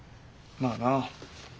まあな。